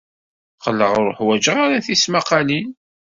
Qqleɣ ur ḥwajeɣ ara tismaqqalin.